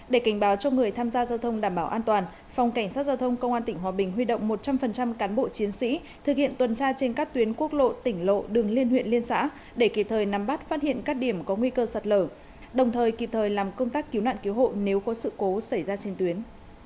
để cảnh báo cho người tham gia giao thông đảm bảo an toàn phòng cảnh sát giao thông công an tỉnh hòa bình huy động một trăm linh cán bộ chiến sĩ thực hiện tuần tra trên các tuyến quốc lộ tỉnh lộ đường liên huyện liên xã để kịp thời nắm bắt phát hiện các điểm có nguy cơ sạt lở đồng thời kịp thời làm công tác cứu nạn cứu hộ nếu có sự cố xảy ra trên tuyến